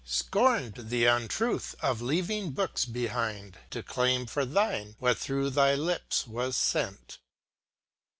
Scorned the untruth of leaving books behind. To claim for thine what through thy hps was sent.